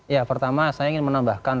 ya pertama saya ingin menambahkan